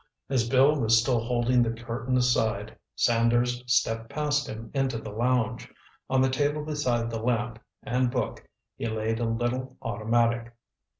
As Bill was still holding the curtain aside, Sanders stepped past him into the lounge. On the table beside the lamp and book he laid a little automatic.